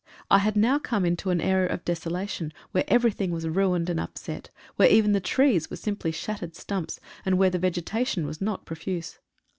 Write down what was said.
I had now come into an area of desolation, where every thing was ruined, and upset, where even the trees were simply shattered stumps, and where the vegetation was not profuse.